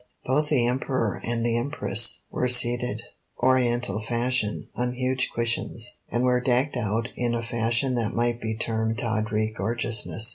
Both the Emperor and the Empress were seated, Oriental fashion, on huge cushions, and were decked out in a fashion that might be termed tawdry gorgeousness.